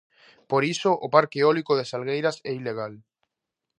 Por iso o parque eólico de Salgueiras é ilegal.